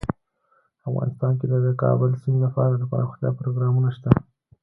افغانستان کې د د کابل سیند لپاره دپرمختیا پروګرامونه شته.